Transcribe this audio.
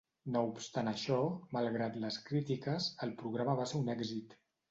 No obstant això, malgrat les crítiques, el programa va ser un èxit.